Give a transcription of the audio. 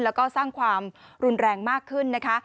แล้วก็สร้างความรุนแรงมากขึ้นนะคะ